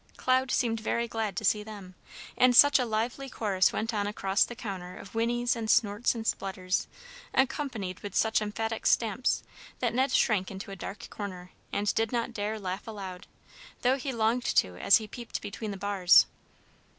Cloud seemed very glad to see them. And such a lively chorus went on across the counter of whinnies and snorts and splutters, accompanied with such emphatic stamps, that Ned shrank into a dark corner, and did not dare to laugh aloud, though he longed to as he peeped between the bars.